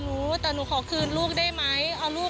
ควิทยาลัยเชียร์สวัสดีครับ